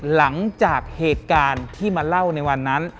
หลังจากเหตุการณ์ที่มาเล่าในวันนั้น